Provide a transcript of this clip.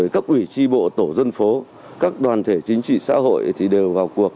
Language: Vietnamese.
các ủy tri bộ tổ dân phố các đoàn thể chính trị xã hội thì đều vào cuộc